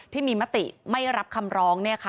ที่มีมติไม่รับคำร้องเนี่ยค่ะ